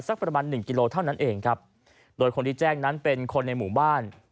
สักประมาณหนึ่งกิโลเท่านั้นเองครับโดยคนที่แจ้งนั้นเป็นคนในหมู่บ้าน